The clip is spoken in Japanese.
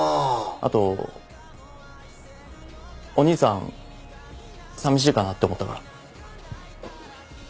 あとお義兄さん寂しいかなって思ったから。